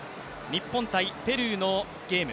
日本×ペルーのゲーム。